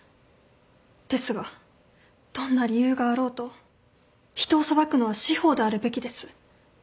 ですがどんな理由があろうと人を裁くのは司法であるべきです。